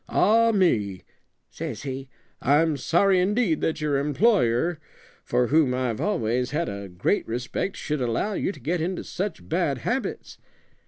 'Ah, me!' says he, 'I'm sorry indeed that your employer, for whom I've always had a great respect, should allow you to get into such bad habits.'